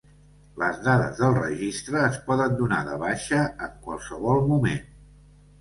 Les dades del registre es poden donar de baixa en qualsevol moment.